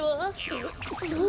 うっそう？